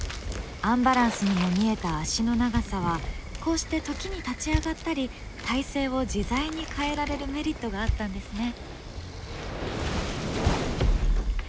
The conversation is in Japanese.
アンバランスにも見えた足の長さはこうして時に立ち上がったり体勢を自在に変えられるメリットがあったんですね。